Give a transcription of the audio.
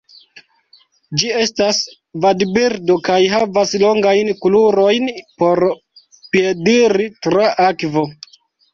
Ĝi estas vadbirdo kaj havas longajn krurojn por piediri tra akvo.